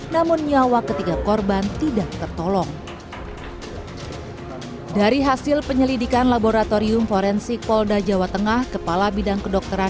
namun nyawa ketiga korban tidak tertolong dari hasil penyelidikan laboratorium forensik